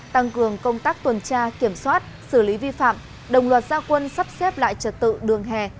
tăng cường công tác tuần tra kiểm soát xử lý vi phạm đồng luật gia quân sắp xếp lại trật tự đường hè